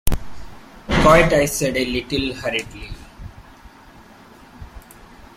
"Quite," I said, a little hurriedly.